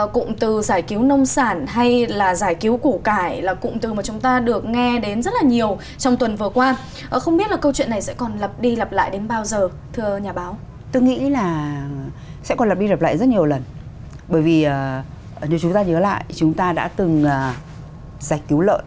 chúng ta đã từng giải cứu lợi